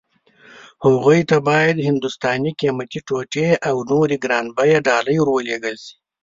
هغوی ته باید هندوستاني قيمتي ټوټې او نورې ګران بيه ډالۍ ور ولېږي.